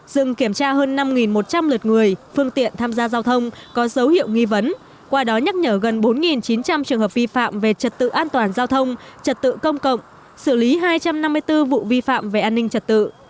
dừng kiểm tra hơn năm một trăm linh lượt người phương tiện tham gia giao thông có dấu hiệu nghi vấn qua đó nhắc nhở gần bốn chín trăm linh trường hợp vi phạm về trật tự an toàn giao thông trật tự công cộng xử lý hai trăm năm mươi bốn vụ vi phạm về an ninh trật tự